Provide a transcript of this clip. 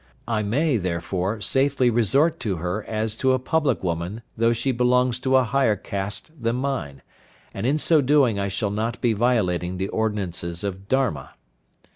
I may, therefore, safely resort to her as to a public woman though she belongs to a higher caste than mine, and in so doing I shall not be violating the ordinances of Dharma.